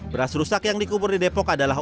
beras rusak yang dikubur di depok adalah